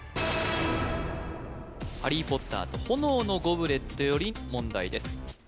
「ハリー・ポッターと炎のゴブレット」より問題です